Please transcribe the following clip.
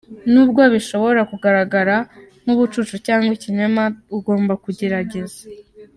Nubwo bishobora kugaragara nk’ubucucu cyangwa ikinyoma, ugomba kugerageza.